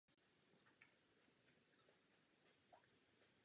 Barva diamantu je závislá na jeho složení.